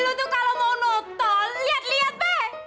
lu tuh kalau mau nontol liat liat be